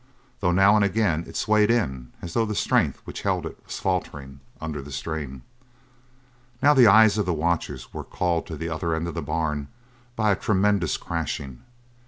Though now and again it swayed in, as though the strength which held it was faltering under the strain. Now the eyes of the watchers were called to the other end of the barn by a tremendous crashing.